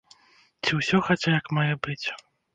Ці ўсё хаця як мае быць?